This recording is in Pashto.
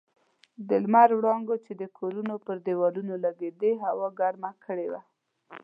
د لمر وړانګو چې د کورو پر دېوالو لګېدې هوا ګرمه کړې وه.